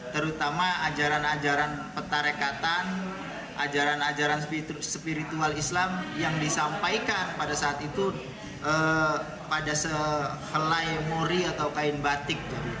terutama ajaran ajaran petarekatan ajaran ajaran spiritual islam yang disampaikan pada saat itu pada sehelai mori atau kain batik